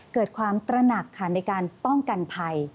เกิดความตระหนักค่ะในการป้องกันภัย